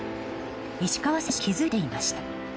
石川選手は気づいていました。